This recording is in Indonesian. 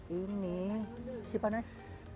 ini masih panas